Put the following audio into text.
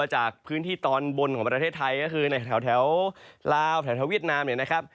จากพื้นที่ตอนบนของประเทศไทยก็คือในแถวลาวแถวเวียดนาม